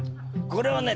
これをね